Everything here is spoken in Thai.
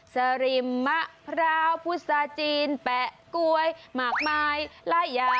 สริมะพราวพุสาจีนแปะกล้วยหมากไม้ไล่ยา